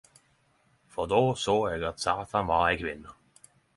For da såg eg at Satan var ein kvinne.